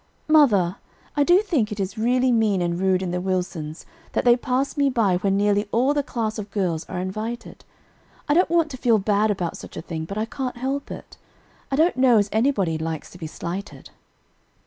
"Mother, I do think it is really mean and rude in the Wilsons that they pass me by when nearly all the class of girls are invited. I don't want to feel bad about such a thing, but I can't help it. I don't know as anybody likes to be slighted."